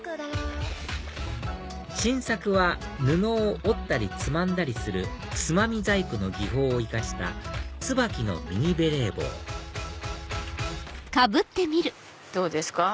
新作は布を折ったりつまんだりするつまみ細工の技法を生かした椿のミニベレー帽どうですか？